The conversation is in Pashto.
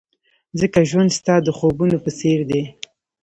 ځکه ژوند ستا د خوبونو په څېر دی.